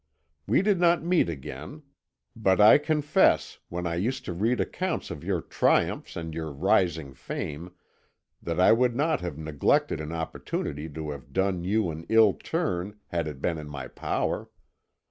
We did not meet again; but I confess, when I used to read accounts of your triumphs and your rising fame, that I would not have neglected an opportunity to have done you an ill turn had it been in my power.